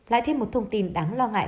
lại thêm một thông tin đáng lo ngại